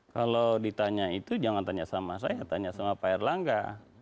kalau ditanya itu jangan tanya sama saya tanya sama pak erlangga